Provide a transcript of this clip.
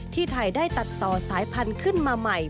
ไทยได้ตัดต่อสายพันธุ์ขึ้นมาใหม่